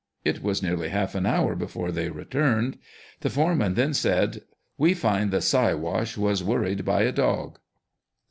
It was nearly half an hour before they returned. The foreman then said :" We find the siwash* was worried by a dog."